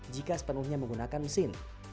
jika sepenuhnya menggunakan mesin